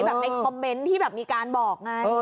แบบในคอมเมนต์ที่แบบมีการบอกไง